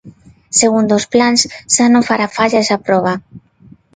Segundo os plans, xa non fará falla esa proba.